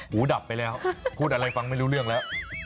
ดับไปแล้วพูดอะไรฟังไม่รู้เรื่องแล้ว